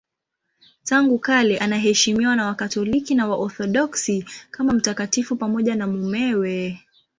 Tangu kale anaheshimiwa na Wakatoliki na Waorthodoksi kama mtakatifu pamoja na mumewe.